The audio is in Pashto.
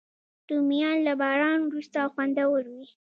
رومیان له باران وروسته خوندور وي